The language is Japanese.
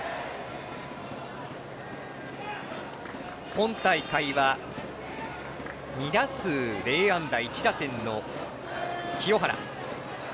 今大会は２打数０安打１打点の清原。